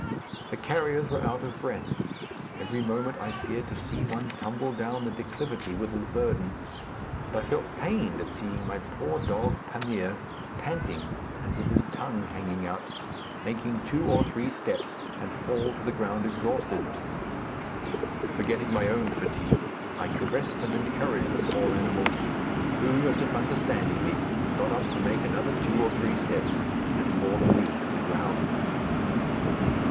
The carriers were out of breath; every moment I feared to see one tumble down the declivity with his burden, and I felt pained at seeing my poor dog, Pamir, panting and with his tongue hanging out, make two or three steps and fall to the ground exhausted. Forgetting my own fatigue, I caressed and encouraged the poor animal, who, as if understanding me, got up to make another two or three steps and fall anew to the ground.